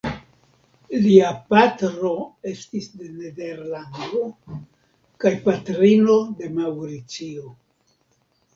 Lia patro estis de Nederlando kaj patrino de Maŭricio.